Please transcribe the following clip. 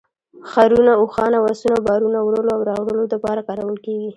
خرونه ، اوښان او اسونه بارونو وړلو او راوړلو دپاره کارول کیږي